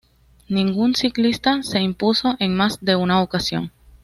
Ningún ciclista se impuso en más de una ocasión.